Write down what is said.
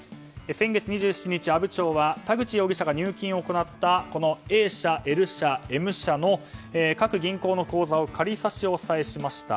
先月２７日、阿武町は田口容疑者が入金を行ったＡ社、Ｌ社、Ｍ社の各銀行の口座を仮差し押さえしました。